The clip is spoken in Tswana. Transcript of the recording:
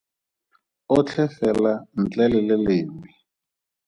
Otlhe fela ntle le le lengwe.